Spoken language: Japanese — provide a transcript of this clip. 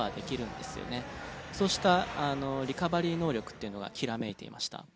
そうしたリカバリー能力っていうのがきらめいていました。